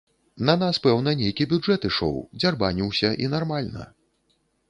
На нас, пэўна, нейкі бюджэт ішоў, дзярбаніўся і нармальна.